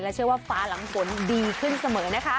เชื่อว่าฟ้าหลังฝนดีขึ้นเสมอนะคะ